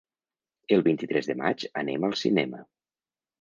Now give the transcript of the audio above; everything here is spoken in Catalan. El vint-i-tres de maig anem al cinema.